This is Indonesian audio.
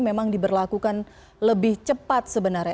memang diberlakukan lebih cepat sebenarnya